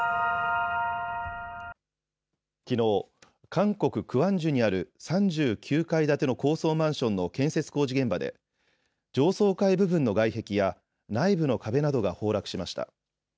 きのう、韓国・クワンジュにある３９階建ての高層マンションの建設工事現場で上層階部分の外壁や内部の壁などが崩落しました。